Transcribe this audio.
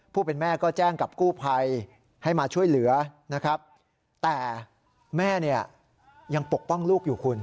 แม่ก็แจ้งกับกู้ภัยให้มาช่วยเหลือนะครับแต่แม่เนี่ยยังปกป้องลูกอยู่คุณ